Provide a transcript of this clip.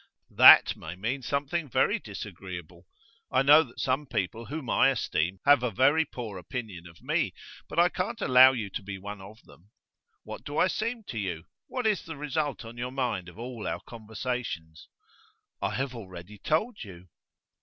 'That may mean something very disagreeable. I know that some people whom I esteem have a very poor opinion of me, but I can't allow you to be one of them. What do I seem to you? What is the result on your mind of all our conversations?' 'I have already told you.